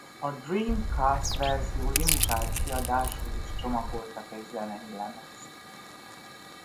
A Dreamcast verzió limitált kiadáshoz is csomagoltak egy zenei lemezt.